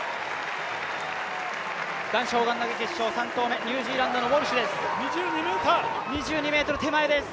男子砲丸投決勝の３投目、ニュージーランドのウォルシュです。